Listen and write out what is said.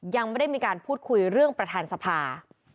ยังไม่ได้มีการพูดคุยเรื่องประธานสภา